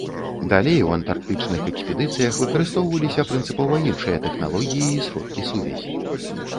Далей у антарктычных экспедыцыях выкарыстоўваліся прынцыпова іншыя тэхналогіі і сродкі сувязі.